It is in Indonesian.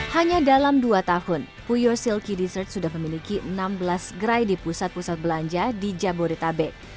hanya dalam dua tahun puyo silky dessert sudah memiliki enam belas gerai di pusat pusat belanja di jabodetabek